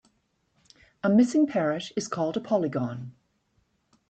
A missing parrot is called a polygon.